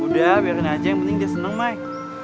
udah biarkan aja yang penting dia seneng mai